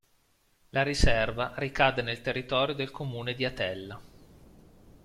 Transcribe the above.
La riserva ricade nel territorio del comune di Atella.